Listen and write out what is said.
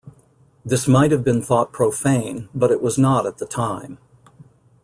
This might have been thought profane, but it was not at the time.